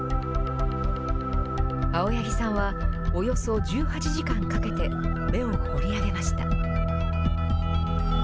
青柳さんは、およそ１８時間かけて目を彫りあげました。